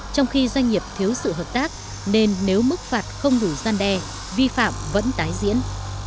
trong khi doanh nghiệp thiếu sự hợp tác nên nếu mức phạt không đủ gian đe vi phạm vẫn tái diễn